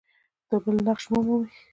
بل نقش مومي.